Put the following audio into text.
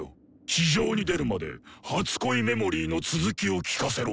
地上に出るまで「初恋メモリー」の続きを聞かせろ。